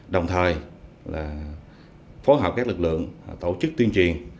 đồng thời là phối hợp các lực lượng tổ chức tuyên truyền